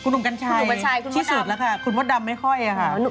หนุ่มกัญชัยที่สุดแล้วค่ะคุณมดดำไม่ค่อยค่ะ